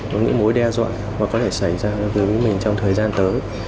và những mối đe dọa mà có thể xảy ra với mình trong thời gian tới